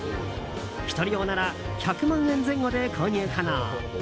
１人用なら１００万円前後で購入可能。